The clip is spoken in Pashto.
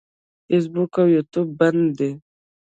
فیسبوک او یوټیوب بند دي.